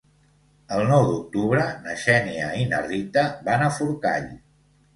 El nou d'octubre na Xènia i na Rita van a Forcall.